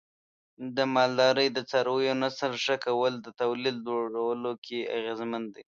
د مالدارۍ د څارویو نسل ښه کول د تولید لوړولو کې اغیزمن دی.